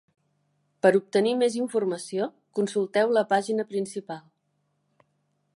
Per obtenir més informació, consulteu la pàgina principal.